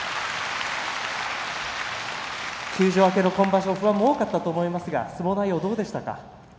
休場明けの今場所は不安も多かったと思いますが相撲内容はどうでしたか？